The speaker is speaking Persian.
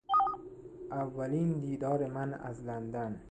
اولین دیدار من از لندن